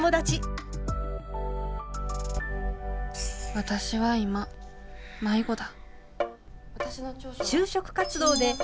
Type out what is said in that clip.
私は今迷子だ。